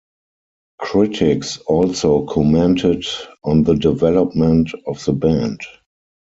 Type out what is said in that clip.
Critics also commented on the development of the band.